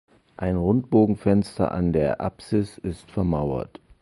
Ein Rundbogenfenster an der Apsis ist vermauert.